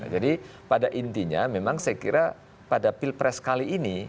jadi pada intinya memang saya kira pada pilpres kali ini